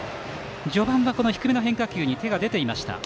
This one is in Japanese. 序盤は低めの変化球に手が出ていました。